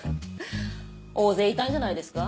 大勢いたんじゃないですか？